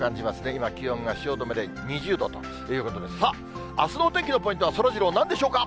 今、気温が汐留で２０度ということで、さあ、あすのお天気のポイントは、そらジロー、なんでしょうか。